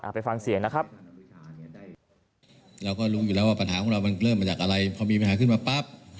อาทิตย์ฟังเสียนะครับ